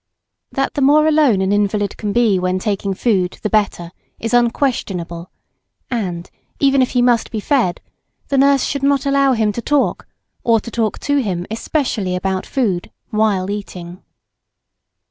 That the more alone an invalid can be when taking food, the better, is unquestionable; and, even if he must be fed, the nurse should not allow him to talk, or talk to him, especially about food, while eating.